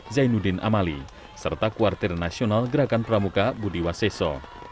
zainuddin amali serta kuartir nasional gerakan pramuka budiwaseso